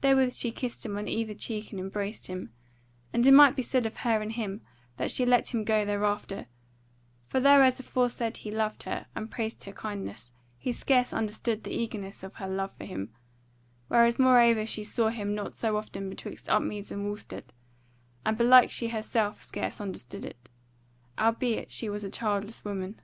Therewith she kissed him on either cheek and embraced him; and it might be said of her and him that she let him go thereafter; for though as aforesaid he loved her, and praised her kindness, he scarce understood the eagerness of her love for him; whereas moreover she saw him not so often betwixt Upmeads and Wulstead: and belike she herself scarce understood it. Albeit she was a childless woman.